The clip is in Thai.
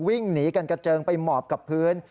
วิ่งหนีกันกระเจิงไปหมอบกับพื้น